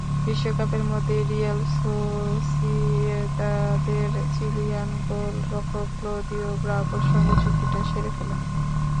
বিশ্বকাপের মধ্যেই রিয়াল সোসিয়েদাদের চিলিয়ান গোলরক্ষক ক্লদিও ব্রাভোর সঙ্গে চুক্তিটা সেরে ফেলে।